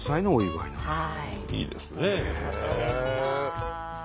いいですね。